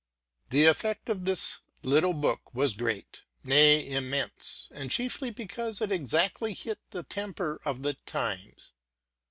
The effect of this little book was great, nay, immense, and chiefly because it exactly hit the temper of the times.